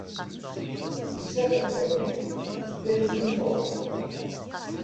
Tensa tafat-iw, tedda yid-m truḥ.